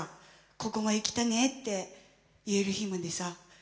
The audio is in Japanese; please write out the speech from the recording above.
ここまで来たねって言える日までさ